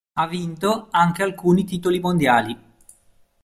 Ha vinto anche alcuni titoli mondiali.